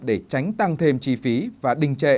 để tránh tăng thêm chi phí và đình trệ